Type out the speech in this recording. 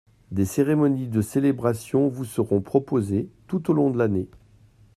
Des cérémonies de célébration vous seront proposées tout au long de l’année.